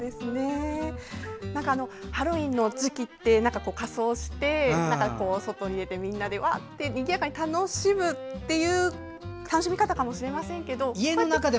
ハロウィーンの時期って仮装して外に出てみんなでにぎやかに楽しむという楽しみ方かもしれませんが。